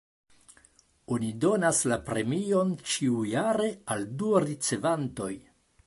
Oni donas la premion ĉiujare al du ricevantoj.